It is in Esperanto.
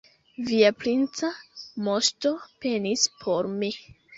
Via princa moŝto penis por mi.